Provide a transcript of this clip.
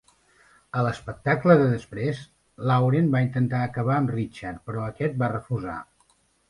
A l"espectacle de després, Lauren va intentar acabar amb Richard, però aquest va refusar.